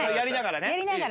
やりながら。